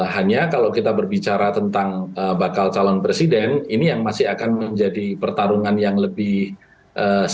hanya kalau kita berbicara tentang bakal calon presiden ini yang masih akan menjadi pertarungan yang lebih seru sebenarnya dalam tiga sampai dengan enam bulan ke depan